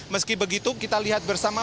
meski begitu kita lihat bersama